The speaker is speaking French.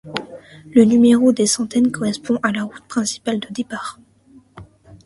Le numéro des centaines correspond à la route principale de départ.